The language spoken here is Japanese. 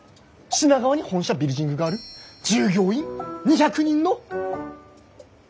品川に本社ビルヂングがある従業員２００人の。